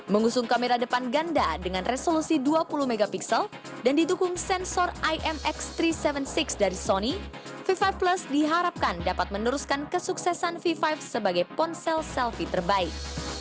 mengusung kamera depan ganda dengan resolusi dua puluh mp dan didukung sensor imx tiga ratus tujuh puluh enam dari sony v lima plus diharapkan dapat meneruskan kesuksesan v lima sebagai ponsel selfie terbaik